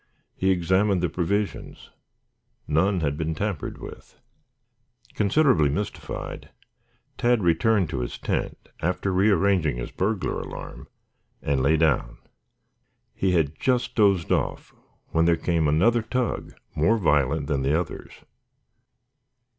He examined the provisions. None had been tampered with. Considerably mystified, Tad returned to his tent, after rearranging his burglar alarm, and lay down. He had just dozed off when there came another tug more violent than the others.